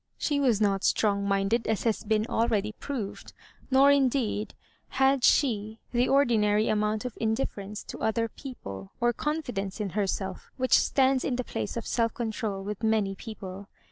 She was not strong minded, as has been already proved; nor, in deed, had she the ordinary amount of indifference to other people, or confidence in herself which stands in the place of self control with many people.